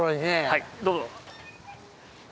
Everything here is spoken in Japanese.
はいどうぞ。